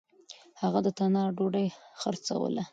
هغه د تنار ډوډۍ خرڅلاوه. .